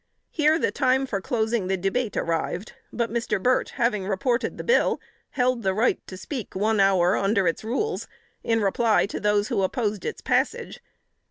Here the time for closing the debate arrived; but Mr. Burt, having reported the bill, held the right to speak one hour, under the rules, in reply to those who opposed its passage.